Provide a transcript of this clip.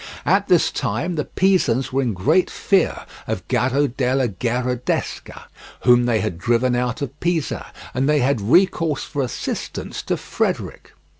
At this time the Pisans were in great fear of Gaddo della Gherardesca, whom they had driven out of Pisa, and they had recourse for assistance to Frederick.